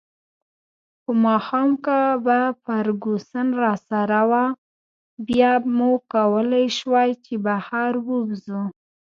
خو ماښام که به فرګوسن راسره وه، بیا مو کولای شوای چې بهر ووځو.